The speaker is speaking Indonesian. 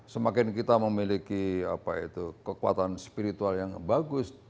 semakin kita memiliki kekuatan spiritual yang bagus